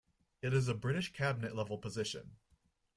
It is a British Cabinet level position.